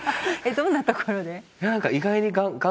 どんなところで？